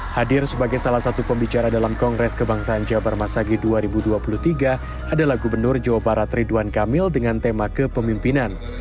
hadir sebagai salah satu pembicara dalam kongres kebangsaan jabar masagi dua ribu dua puluh tiga adalah gubernur jawa barat ridwan kamil dengan tema kepemimpinan